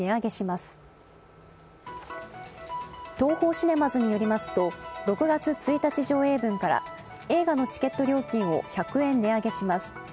シネマズによりますと、６月１日上映分から映画のチケット料金を１００円値上げします。